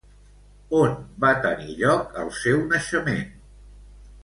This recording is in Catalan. On va tenir lloc el seu naixement?